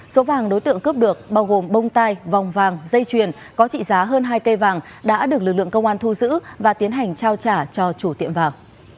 số vàng đối tượng cướp được bao gồm bông tai vòng vàng dây chuyền có trị giá hơn hai cây vàng đã được lực lượng công an thu giữ và tiến hành trao trả cho chủ tiệm vào